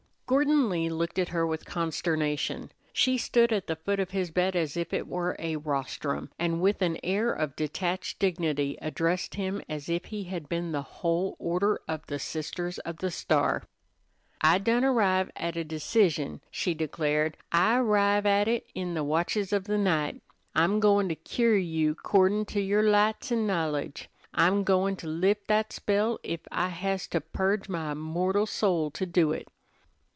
Gordon Lee looked at her with consternation. She stood at the foot of his bed as if it wore a rostrum, and with an air of detached dignity addressed him as if he had been the whole Order of the Sisters of the Star. "I done arrive' at a decision," she declared. "I arrive' at it in the watches of the night. I'm goin' to cure you 'cordin' to yer lights an' knowledge. I'm goin' to lif' that spell ef I has to purge my immortal soul to do it."